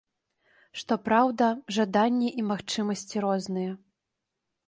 Што праўда, жаданні і магчымасці розныя.